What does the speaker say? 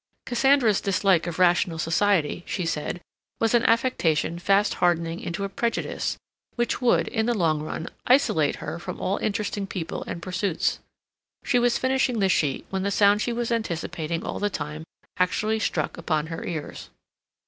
Cassandra's dislike of rational society, she said, was an affectation fast hardening into a prejudice, which would, in the long run, isolate her from all interesting people and pursuits. She was finishing the sheet when the sound she was anticipating all the time actually struck upon her ears.